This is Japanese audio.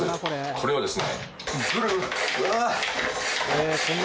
これをですね。